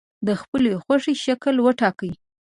د خپلې خوښې شکل وټاکئ.